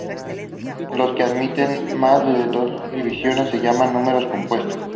Los que admiten más de dos divisores se llaman números compuestos.